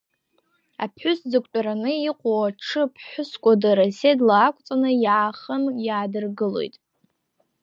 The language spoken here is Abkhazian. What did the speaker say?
Аԥҳәыс дзықәтәараны иҟоу аҽы аԥҳәыс кәадыр аседла ақәҵаны, иаахан иаадыргылоит.